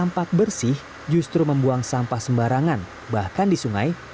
orang orang yang tampak bersih justru membuang sampah sembarangan bahkan di sungai